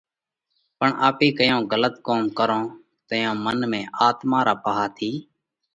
پڻ آپي ڪوئي ڳلت ڪوم ڪرونھ تئيون منَ ۾ آتما را پاھا ٿِي